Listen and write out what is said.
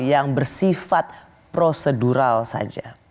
yang bersifat prosedural saja